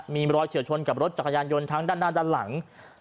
มีรอยเฉียวชนกับรถจักรยานยนต์ทั้งด้านหน้าด้านหลัง